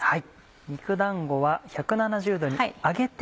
肉だんごは１７０℃に上げて。